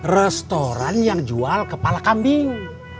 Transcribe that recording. restoran yang jual kepala kambing